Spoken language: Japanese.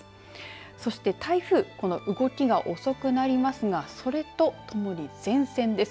そして台風この動きが遅くなりますがそれとともに前線です。